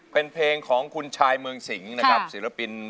เป็นเพลงของคุณชายเมืองสิงนะครับ